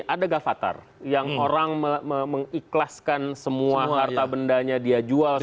ada gavatar yang orang mengikhlaskan semua harta bendanya dia jual semua